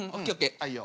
はいよ。